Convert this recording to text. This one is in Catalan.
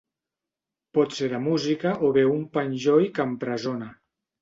Pot ser de música o bé un penjoll que empresona.